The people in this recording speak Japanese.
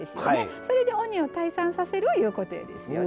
それで鬼を退散させるいうことですよね。